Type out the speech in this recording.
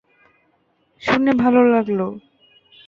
শুনে ভালো লাগলো।